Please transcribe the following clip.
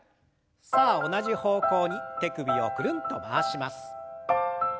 さあ同じ方向に手首をくるんと回します。